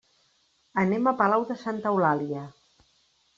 Anem a Palau de Santa Eulàlia.